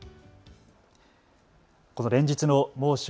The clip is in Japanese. この連日の猛暑。